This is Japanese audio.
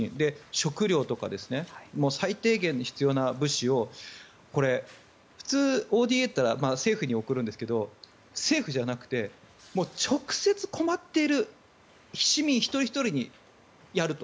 食料とか最低限必要な物資を普通、ＯＤＡというのは政府に送るんですけど政府じゃなくて直接困っている市民一人ひとりにやると。